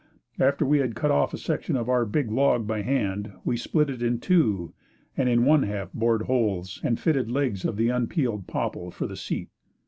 After we had cut off a section of our big log by hand, we split it in two and in one half bored holes and fitted legs of the unpeeled popple for the seat.